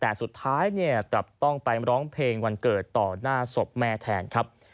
แต่สุดท้ายเนี่ยกลับต้องไปร้องเพลงวันเกิดต่อหน้าศพแม่แทนครับ